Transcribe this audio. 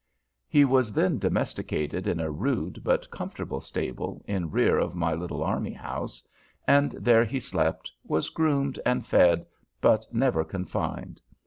He was then domesticated in a rude but comfortable stable in rear of my little army house, and there he slept, was groomed and fed, but never confined.